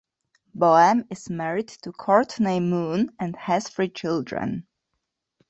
Boehm is married to Cortney Moon and has three children.